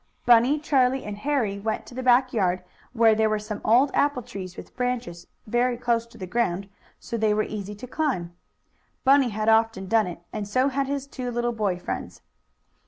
Bunny, Charlie and Harry went to the back yard, where there were some old apple trees, with branches very close to the ground, so they were easy to climb. Bunny had often done it, and so had his two little boy friends.